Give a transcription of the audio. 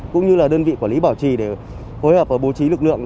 cũng như là đơn vị quản lý bảo trì để phối hợp và bố trí lực lượng